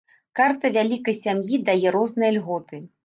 Карта вялікай сям'і дае розныя льготы.